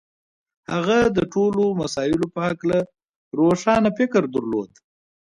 هغه د ټولو مسألو په هکله روښانه فکر درلود.